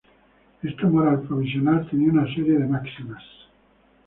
Esta moral provisional tenía una serie de máximas.